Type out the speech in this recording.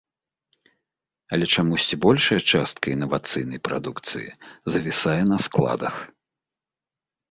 Але чамусьці большая частка інавацыйнай прадукцыі завісае на складах.